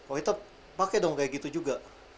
oh itu pakai dong kayak gitu juga